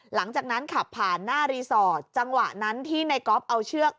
หลังจากนั้นขับผ่านหน้ารีสอร์ทจังหวะนั้นที่ในก๊อฟเอาเชือก